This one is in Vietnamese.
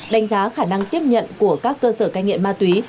đánh giá khả năng tiếp nhận của các cơ sở cai nghiện ma túy